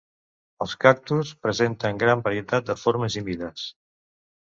Els cactus presenten gran varietat de formes i mides.